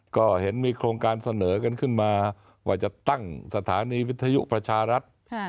ก็เห็นมีโครงการเสนอกันขึ้นมาว่าจะตั้งสถานีวิทยุประชารัฐ